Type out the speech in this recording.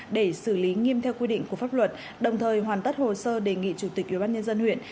để xử lý nghiêm theo quy định của pháp luật đồng thời hoàn tất hồ sơ đề nghị chủ tịch ubnd huyện